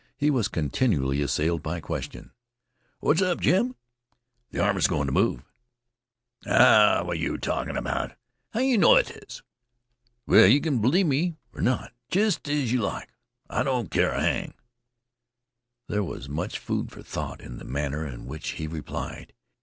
He was continually assailed by questions. "What's up, Jim?" "Th' army's goin' t' move." "Ah, what yeh talkin' about? How yeh know it is?" "Well, yeh kin b'lieve me er not, jest as yeh like. I don't care a hang." There was much food for thought in the manner in which he replied.